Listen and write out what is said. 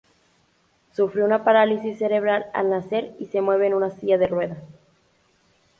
Sufrió una parálisis cerebral al nacer y se mueve en una silla de ruedas.